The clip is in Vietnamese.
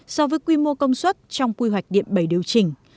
so với quy mô công suất trong quy hoạch điện bảy điều chỉnh